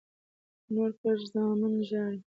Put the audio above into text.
نور پرې زامن ژاړي.